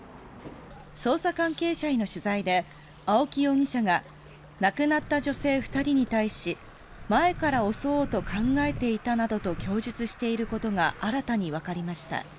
捜査関係者への取材で青木容疑者が亡くなった女性２人に対し前から襲おうと考えていたなどと供述していることが新たにわかりました。